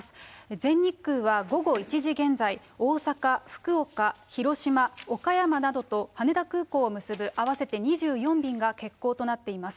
全日空は午後１時現在、大阪、福岡、広島、岡山などと羽田空港を結ぶ合わせて２４便が、欠航となっています。